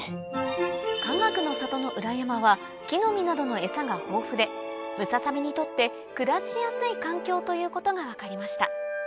かがくの里の裏山は木の実などのエサが豊富でムササビにとって暮らしやすい環境ということが分かりました